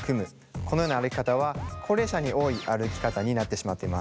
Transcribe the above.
このような歩き方は高齢者に多い歩き方になってしまっています。